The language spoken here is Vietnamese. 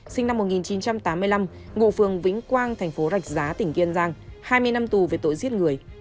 sinh năm một nghìn chín trăm tám mươi năm ngụ phường vĩnh quang thành phố rạch giá tỉnh kiên giang hai mươi năm tù về tội giết người